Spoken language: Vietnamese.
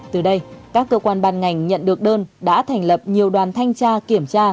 từ đây các cơ quan ban ngành nhận được đơn đã thành lập nhiều đoàn thanh tra kiểm tra